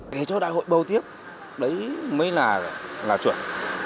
để cho đại hội bầu tiếp đấy mới là chuẩn